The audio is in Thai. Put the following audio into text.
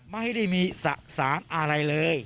ไม่ได้มีสะสานอะไรเลย